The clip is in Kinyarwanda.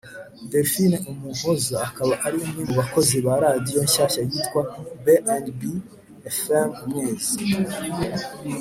Delphine umuhoza akaba ari umwe mubakozi ba radiyo nshyashya yitwa b&b fm umwezi